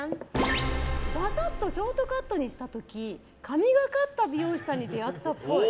バサッとショートカットにした時神がかった美容師さんに出会ったっぽい。